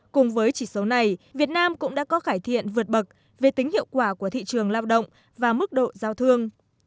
cùng với chỉ số này việt nam cũng đã có cải thiện vượt bậc về tính hiệu quả của thị trường lao động và mức độ giao thương